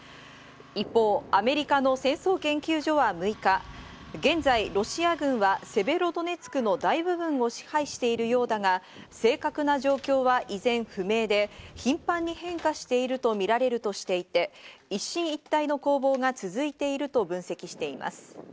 一方、アメリカの戦争研究所は６日、現在、ロシア軍はセベロドネツクの大部分を支配しているようだが、正確な状況は依然不明で、頻繁に変化しているとみられるとしていて一進一退の攻防が続いていると分析しています。